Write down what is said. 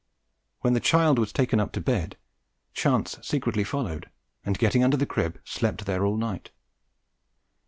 When the child was taken up to bed, Chance secretly followed, and getting under the crib slept there all night.